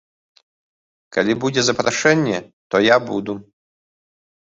Калі будзе запрашэнне, то я буду.